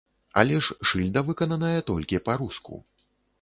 Але ж шыльда выкананая толькі па-руску.